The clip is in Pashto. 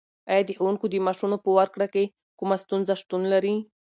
ایا د ښوونکو د معاشونو په ورکړه کې کومه ستونزه شتون لري؟